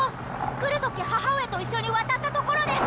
来る時母上と一緒に渡った所です！